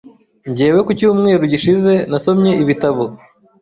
Njyewe ku cyumweru gishize nasomye ibitabo.